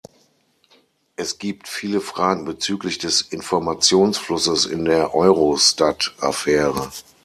Es gibt viele Fragen bezüglich des Informationsflusses in der Eurostat-Affäre.